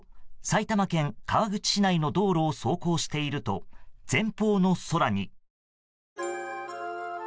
埼玉県川口市内の道路を走行していると前方の空に。